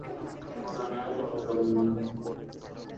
গোরার মুখ রক্তবর্ণ হইয়া উঠিল।